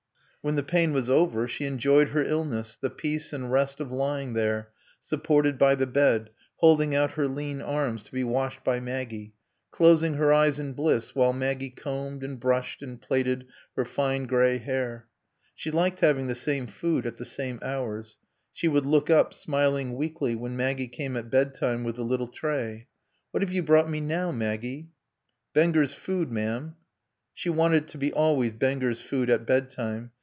When the pain was over she enjoyed her illness, the peace and rest of lying there, supported by the bed, holding out her lean arms to be washed by Maggie; closing her eyes in bliss while Maggie combed and brushed and plaited her fine gray hair. She liked having the same food at the same hours. She would look up, smiling weakly, when Maggie came at bedtime with the little tray. "What have you brought me now, Maggie?" "Benger's Food, ma'am." She wanted it to be always Benger's Food at bedtime.